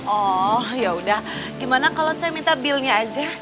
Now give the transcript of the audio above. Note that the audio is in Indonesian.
oh ya udah gimana kalau saya minta bilnya aja